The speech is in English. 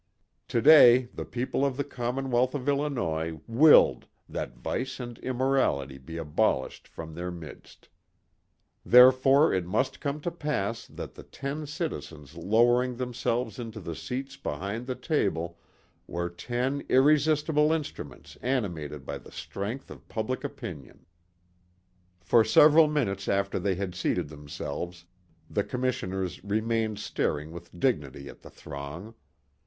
Today the people of the commonwealth of Illinois willed that vice and immorality be abolished from their midst. Therefore it must come to pass that the ten citizens lowering themselves into the seats behind the table were ten irresistible instruments animated by the strength of public opinion. For several minutes after they had seated themselves the commissioners remained staring with dignity at the throng.